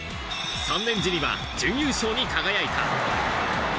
３年時には準優勝に輝いた。